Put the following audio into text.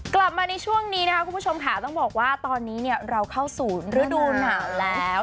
กลับมาในช่วงนี้นะคะคุณผู้ชมค่ะต้องบอกว่าตอนนี้เราเข้าสู่ฤดูหนาวแล้ว